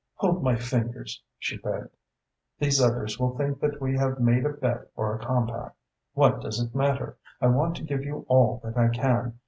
"Hold my fingers," she begged. "These others will think that we have made a bet or a compact. What does it matter? I want to give you all that I can.